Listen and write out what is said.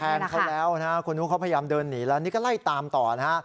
แทนเขาแล้วนะคุณผู้เขาพยายามเดินหนีแล้วนี่ก็ไล่ตามต่อนะ